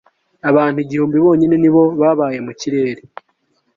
abantu igihumbi bonyine ni bo babaye mu kirere